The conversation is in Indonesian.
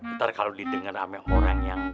ntar kalo didengar ame orang yang